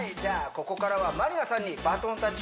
ここからはまりなさん